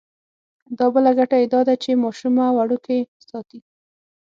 دا بله ګټه یې دا ده چې ماشومه وړوکې ساتي.